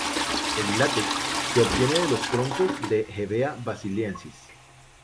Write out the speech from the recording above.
El látex se obtiene de los troncos de "Hevea brasiliensis".